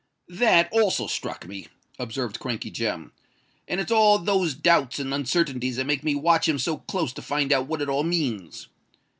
"That also struck me," observed Crankey Jem; "and it's all those doubts and uncertainties that make me watch him so close to find out what it all means.